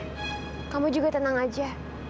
lalu kamu tenang aja